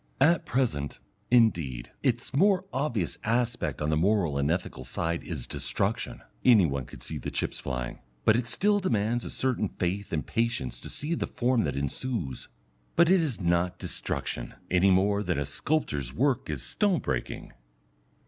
At present, indeed, its more obvious aspect on the moral and ethical side is destruction, any one can see the chips flying, but it still demands a certain faith and patience to see the form that ensues. But it is not destruction, any more than a sculptor's work is stone breaking.